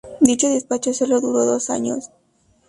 Dicho despacho solo duró dos años.